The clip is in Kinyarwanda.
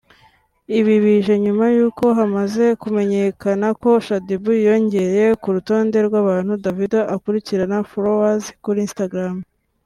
Ibi bije nyuma yuko hamaze kumenyekana ko Shadyboo yiyongereye ku rutonde rw’ abantu Davido akurikira (Followers) kuri Instagram